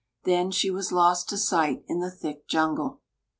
Then she was lost to sight in the thick jungle.